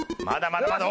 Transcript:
まだまだ。